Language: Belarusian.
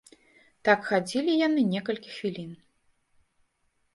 Так хадзілі яны некалькі хвілін.